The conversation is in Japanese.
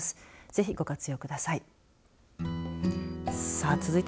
ぜひご活用ください。